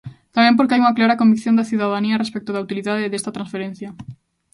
Tamén porque hai unha clara convicción da cidadanía respecto da utilidade desta transferencia.